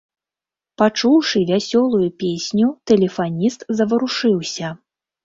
Пачуўшы вясёлую песню, тэлефаніст заварушыўся.